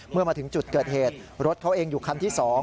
เมื่อมาถึงจุดเกิดเหตุรถเขาเองอยู่คันที่๒